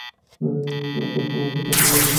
মা পসাম আমাকে তার সন্তানের মতো বড় করেছে।